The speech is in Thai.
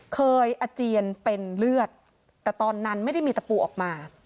อาเจียนเป็นเลือดแต่ตอนนั้นไม่ได้มีตะปูออกมา